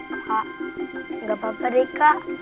kak gak papa deh kak